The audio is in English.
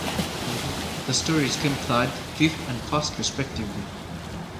The stories came third, fifth, and first, respectively.